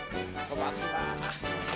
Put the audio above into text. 飛ばすなぁ！